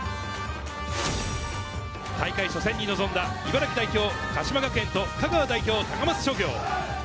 大会初戦に臨んだ茨城代表・鹿島学園と香川代表・高松商業。